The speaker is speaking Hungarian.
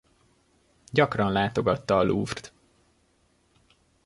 Gyakran látogatta a Louvre-t.